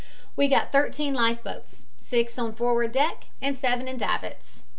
We got thirteen lifeboats, six on forward deck and seven in davits.